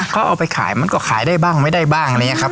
ก็เอาไปขายมันก็ขายได้บ้างไม่ได้บ้างนะครับ